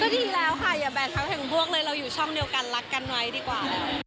ดีแล้วค่ะอย่าแบกเขาถึงพวกเลยเราอยู่ช่องเดียวกันรักกันไว้ดีกว่า